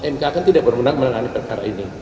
mk akan tidak berwenang menangani perkara ini